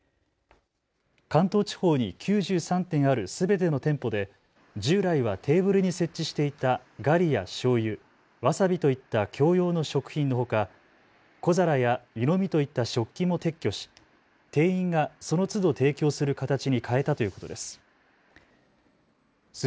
関東地方に９３店あるすべての店舗で従来はテーブルに設置していたガリやしょうゆ、わさびといった共用の食品のほか、小皿や湯飲みといった食器も撤去し店員がそのつど提供する形に変えたということです。